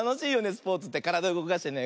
スポーツってからだうごかしてね。